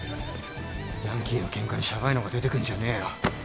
ヤンキーのケンカにシャバいのが出てくんじゃねえよ。